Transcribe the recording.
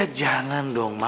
ya jangan dong ma